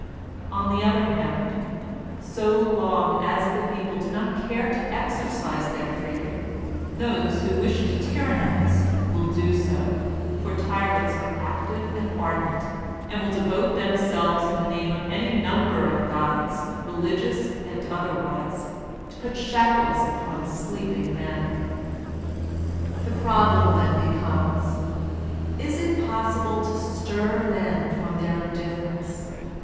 On the other hand, so long as the people do not care to exercise their freedom, those who wish to tyrannize will do so; for tyrants are active and ardent, and will devote themselves in the name of any ntunber of gods, religious and other wise, to put shackles upon sleeping men. The problem then becomes. Is it possible to stir men from their indifference